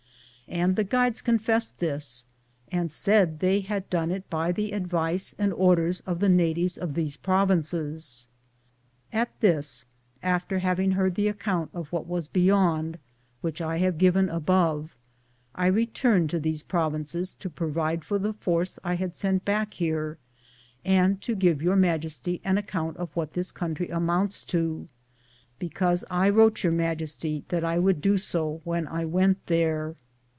And the guides confessed this, and said they had done it by the advice and orders of the na tives of these provinces. At this, after hav ing heard the account of what was beyond, which I have given above, I returned to these provinces to provide for the force I had sent back here and to give Your Majesty an account of what this country amounts to, because I wrote Your Majesty that I would do so when I went there.